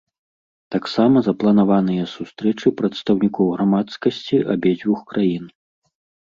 Таксама запланаваныя сустрэчы прадстаўнікоў грамадскасці абедзвюх краін.